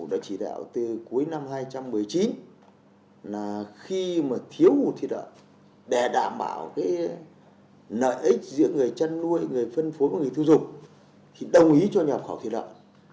chính phủ đã chỉ đạo từ cuối năm hai nghìn một mươi chín là khi mà thiếu thịt lợn để đảm bảo cái lợi ích giữa người chân nuôi người phân phối và người thư dụng thì đồng ý cho nhập khẩu thịt lợn